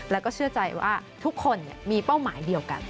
แล้วก็เชื่อใจว่าทุกคนมีเป้าหมายเดียวกัน